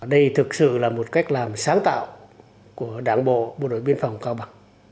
đây thực sự là một cách làm sáng tạo của đảng bộ bộ đội biên phòng cao bằng